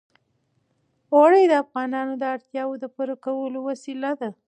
اوړي د افغانانو د اړتیاوو د پوره کولو وسیله ده.